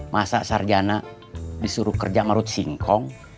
masa sarjana disuruh kerja ngerut singkong